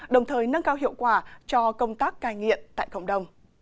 đồng thời nâng cao hiệu quả cho công tác cai nghiện tại cộng đồng